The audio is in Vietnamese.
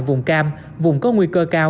vùng cam vùng có nguy cơ cao